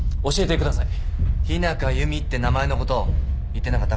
日中弓って名前のこと言ってなかった？